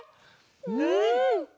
うん！